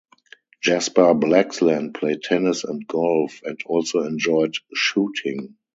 Jasper Blaxland played tennis and golf and also enjoyed shooting.